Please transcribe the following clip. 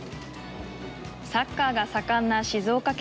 サッカーが盛んな静岡県。